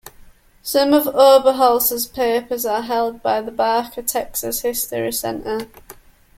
Some of Oberholser's papers are held by the Barker Texas History Center.